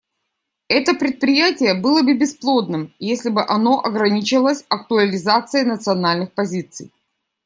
Это предприятие было бы бесплодным, если бы оно ограничивалось актуализацией национальных позиций.